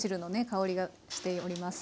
香りがしております